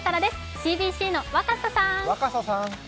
ＣＢＣの若狭さん。